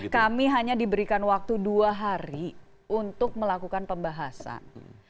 kami hanya diberikan waktu dua hari untuk melakukan pembahasan